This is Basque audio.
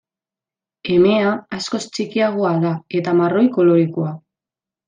Emea askoz txikiagoa da, eta marroi kolorekoa.